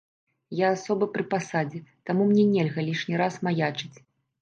Я асоба пры пасадзе, таму мне нельга лішні раз маячыць.